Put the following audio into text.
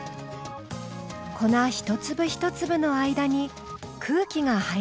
粉一粒一粒の間に空気が入り込むからです。